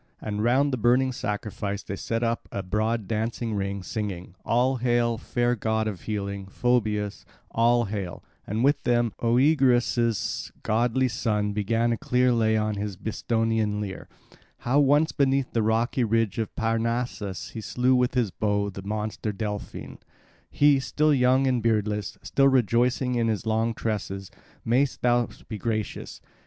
And round the burning sacrifice they set up a broad dancing ring, singing, "All hail fair god of healing, Phoebus, all hail," and with them Oeagrus' goodly son began a clear lay on his Bistonian lyre; how once beneath the rocky ridge of Parnassus he slew with his bow the monster Delphyne, he, still young and beardless, still rejoicing in his long tresses. Mayst thou be gracious!